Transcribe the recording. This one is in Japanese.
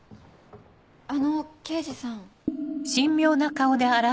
あの刑事さん。